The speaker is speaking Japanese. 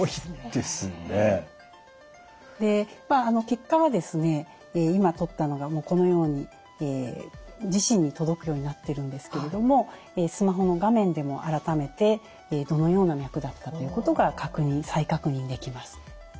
結果は今とったのがこのように自身に届くようになってるんですけれどもスマホの画面でも改めてどのような脈だったということが再確認できます。